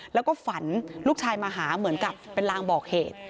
แล้วก็ฝันลูกชายมาหาเหมือนกับเป็นลางบอกเหตุ